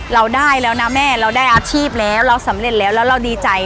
เราได้แล้วนะแม่เราได้อาชีพแล้วเราสำเร็จแล้วแล้วเราดีใจ